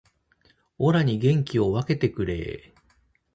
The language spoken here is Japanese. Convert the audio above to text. オラに元気を分けてくれー